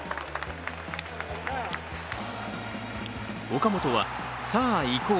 岡本は、さぁ行こう！！